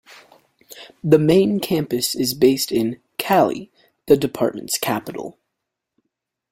The main campus is based in Cali, the department's capital.